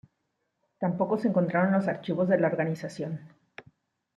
Tampoco se encontraron los archivos de la organización.